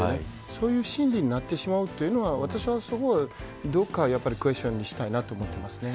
そういう心理になるというのは私はすごいどこか、クエスチョンにしたいと思います。